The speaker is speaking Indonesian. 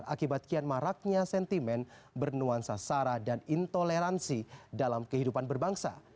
akibat kian maraknya sentimen bernuansa sara dan intoleransi dalam kehidupan berbangsa